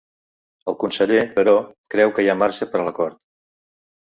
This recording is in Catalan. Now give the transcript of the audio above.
El conseller, però, creu que hi ha marge per a l’acord.